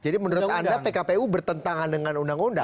jadi menurut anda pkpu bertentangan dengan undang undang